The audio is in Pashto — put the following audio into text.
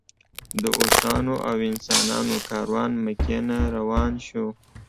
د اوښانو او انسانانو کاروان مکې نه روان شو.